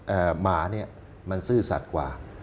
หมาเนี่ยมันซื่อสัตว์กว่า